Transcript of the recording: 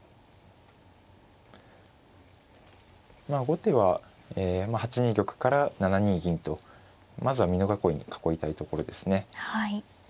後手は８ニ玉から７ニ銀とまずは美濃囲いに囲いたいところですね。